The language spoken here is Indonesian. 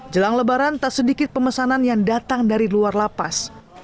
jelang lebaran tak sedikit pemesanan yang datang dari luar lapas